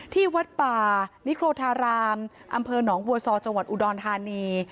ที่วัดป่านิโครธารามอำเภอหนองบัวซอจังหวัดอุดรธานี